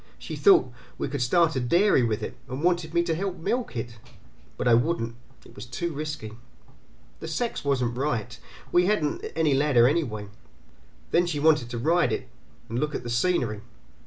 She thought we could start a dairy with it, and wanted me to help milk it; but I wouldn't; it was too risky. The sex wasn't right, and we hadn't any ladder anyway. Then she wanted to ride it, and look at the scenery.